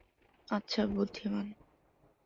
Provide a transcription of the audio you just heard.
আচ্ছা, বুদ্ধিমান।